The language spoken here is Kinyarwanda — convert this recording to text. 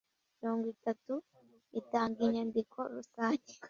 mirongo itatu atanga inyandiko rusange